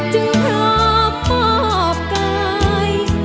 จึงพบพอบกาย